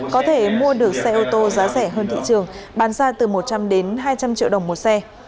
có thể mua được xe ô tô giá rẻ hơn thị trường bán ra từ một trăm linh hai trăm linh triệu đồng một xe